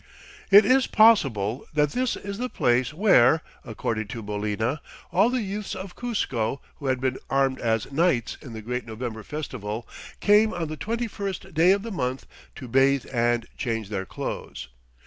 It is possible that this is the place where, according to Molina, all the youths of Cuzco who had been armed as knights in the great November festival came on the 21st day of the month to bathe and change their clothes.